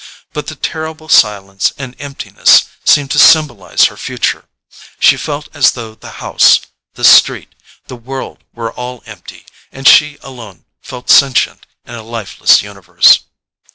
But the terrible silence and emptiness seemed to symbolize her future—she felt as though the house, the street, the world were all empty, and she alone left sentient in a lifeless universe.